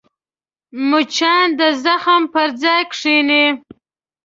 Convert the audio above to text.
مچان د زخم پر ځای کښېني